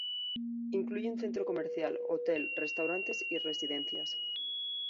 Incluye un centro comercial, hotel, restaurantes y residencias.